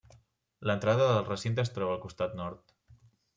L'entrada al recinte es troba al costat nord.